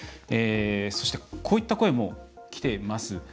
こういった声もきています。